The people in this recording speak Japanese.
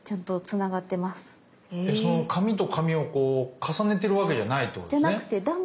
その紙と紙をこう重ねてるわけじゃないってことですね？